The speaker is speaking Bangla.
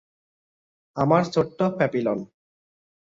আমার ছোট্ট প্যাপিলন!